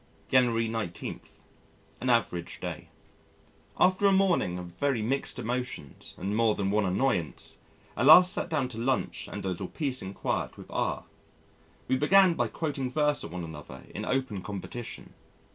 January 19. An Average Day After a morning of very mixed emotions and more than one annoyance ... at last sat down to lunch and a little peace and quiet with R . We began by quoting verse at one another in open competition.